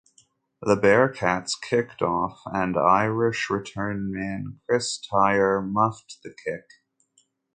The Bearcats kicked off and Irish return man Chris Tyree muffed the kick.